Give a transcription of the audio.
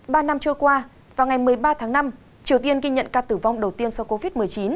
ba năm trôi qua vào ngày một mươi ba tháng năm triều tiên ghi nhận ca tử vong đầu tiên sau covid một mươi chín